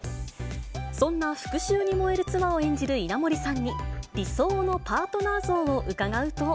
そんな復しゅうに燃える妻を演じる稲森さんに、理想のパートナー像を伺うと。